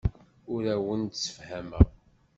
Ur awen-d-ssefhameɣ.